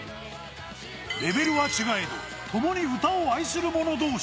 レベルは違えど、ともに歌を愛する者同士。